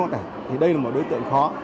thì đây là một đối tượng khó